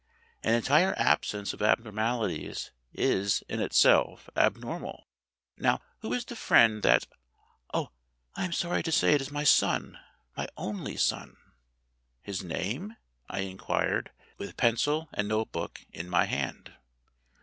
An entire absence of abnormalities is in itself abnormal. Now who is the friend that " "I am sorry to say it is my son my only son." "His name?" I inquired, with pencil and note book in my hand.